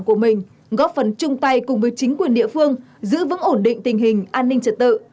của mình góp phần chung tay cùng với chính quyền địa phương giữ vững ổn định tình hình an ninh trật tự